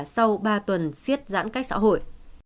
sau ba tuần siết giãn cách xã hội